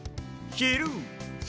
「ひる、」。